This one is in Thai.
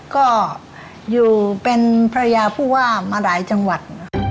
ก็อยู่เป็นภรรยาผู้ว่ามาหลายจังหวัด